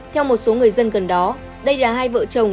theo một số người dân gần đó đây là hai vợ chồng